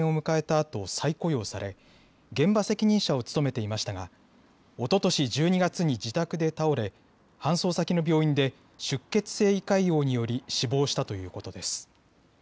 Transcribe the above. あと再雇用され、現場責任者を務めていましたがおととし１２月に自宅で倒れ搬送先の病院で出血性胃潰瘍により死亡したということです。